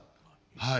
はい。